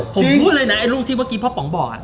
ผมพูดเลยนะไอ้รูปที่เมื่อกี้พ่อป๋องบอก